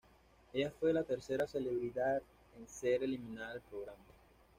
Ella fue la tercera celebridad en ser eliminada del programa.